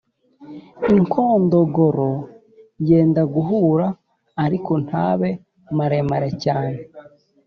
inkondogoro: yenda guhura ariko ntabe maremare cyane;